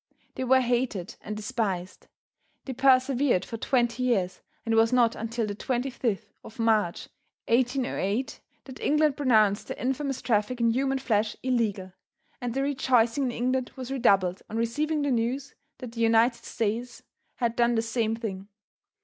They were hated and despised. They persevered for twenty years, and it was not until the 25th of March, 1808, that England pronounced the infamous traffic in human flesh illegal, and the rejoicing in England was redoubled on receiving the news that the United States had done the same thing.